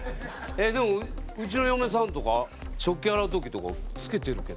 でもうちの嫁さんとか食器洗う時とか着けてるけど。